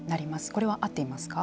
これは合っていますか。